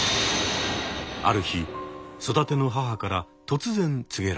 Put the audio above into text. ある日育ての母から突然告げられます。